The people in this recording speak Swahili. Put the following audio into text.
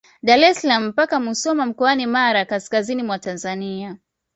Dar es salaam mpaka Musoma mkoani Mara kaskazini mwa Tanzania